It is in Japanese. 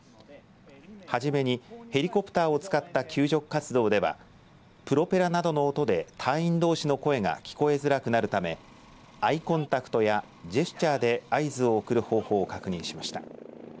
はじめにヘリコプターを使った救助活動ではプロペラなどの音で隊員どうしの声が聞こえづらくなるためアイコンタクトやジェスチャーで合図を送る方法を確認しました。